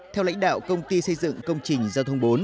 theo lãnh đạo công ty xây dựng công trình giao thông bốn